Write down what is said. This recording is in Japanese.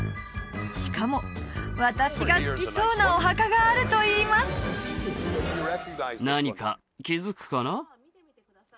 しかも私が好きそうなお墓があるといいます何か気づくかな？